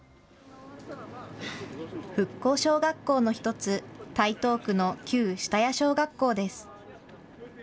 復興小学校の１つ、台東区の旧下谷小学校です。